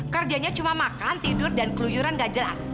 kerjanya cuma makan tidur dan keluyuran nggak jelas